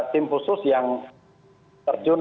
tim khusus yang terjun